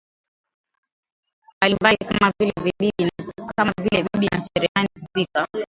mbalimbali kama vile bibi na cherehani Kufika